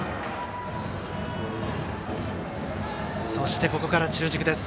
そしてここから中軸です。